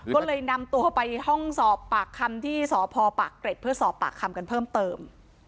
ก็เลยนำตัวไปห้องสอบปากคำที่สพปากเกร็ดเพื่อสอบปากคำกันเพิ่มเติม